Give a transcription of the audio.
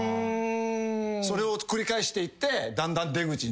それを繰り返していってだんだん出口に近づいていくと。